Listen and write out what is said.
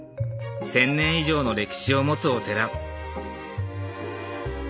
１，０００年以上の歴史を持つお寺。